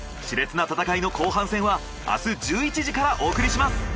しれつな戦いの後半戦は明日１１時からお送りします。